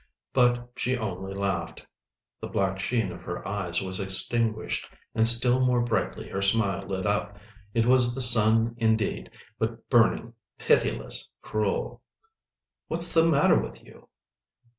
But she only laughed. The black sheen of her eyes was extinguished, and still more brightly her smile lit up. It was the sun indeed, but burning, pitiless, cruel. "What's the matter with you?"